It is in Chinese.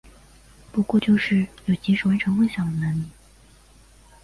不过就是有及时完成梦想的能力